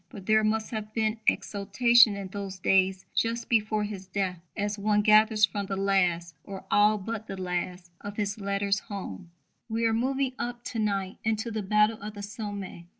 But there must have been exaltation in those days just before his death, as one gathers from the last, or all but the last, of his letters home: We are moving up to night into the battle of the Somme.